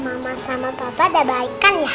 mama sama papa udah baik kan ya